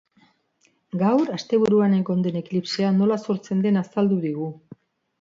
Gaur, asteburuan egon den eklipsea nola sortzen den azaldu digu.